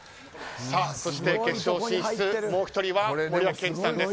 決勝進出、もう１人は森脇健児さんです。